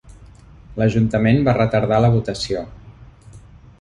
L'ajuntament va retardar la votació.